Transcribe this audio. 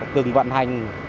từng vận hành